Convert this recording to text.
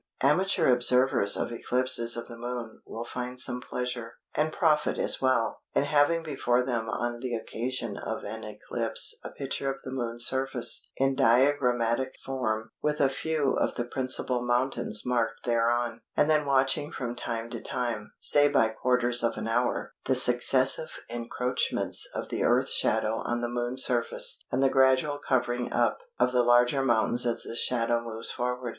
Amateur observers of eclipses of the Moon will find some pleasure, and profit as well, in having before them on the occasion of an eclipse a picture of the Moon's surface in diagrammatic form with a few of the principal mountains marked thereon; and then watching from time to time (say by quarters of an hour) the successive encroachments of the Earth's shadow on the Moon's surface and the gradual covering up of the larger mountains as the shadow moves forward.